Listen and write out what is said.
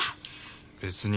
別に。